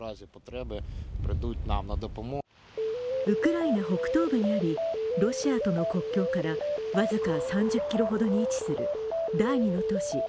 ウクライナ北東部にありロシアとの国境から僅か３０ｋｍほどに位置する第２の都市